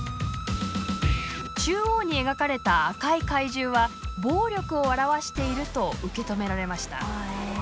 中央に描かれた赤い怪獣は暴力を表していると受け止められました。